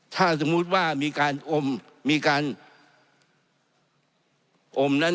ถ้าสมมุติว่ามีการอมมีการอมนั้น